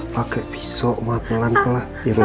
pakai pisau mau pelan pelan